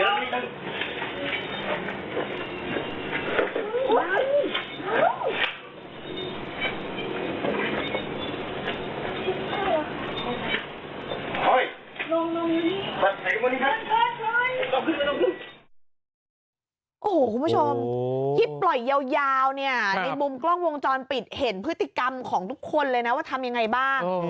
โอ้โหคุณผู้ชมที่ปล่อยยาวเนี่ยในมุมกล้องวงจรปิดเห็นพฤติกรรมของทุกคนเลยนะว่าทำยังไงบ้าง